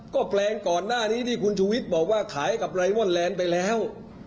ก็แปลงก่อนหน้านี้ที่คุณชูวิทย์บอกว่าขายกับไรมอนแลนด์ไปแล้ว